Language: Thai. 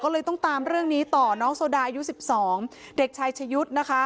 ก็เลยต้องตามเรื่องนี้ต่อน้องโซดาอายุ๑๒เด็กชายชะยุทธ์นะคะ